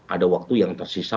ada waktu yang tersisa